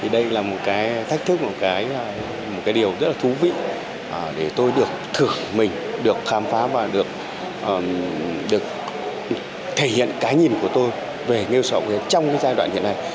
đây là một cái thách thức một cái điều rất là thú vị để tôi được thử mình được khám phá và được thể hiện cái nhìn của tôi về nghêu sò ốc hến trong giai đoạn hiện nay